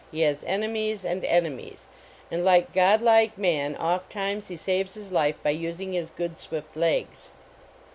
he has enemies and enemies, and like god like man, ofttimes he saves his life by using his good swift legs.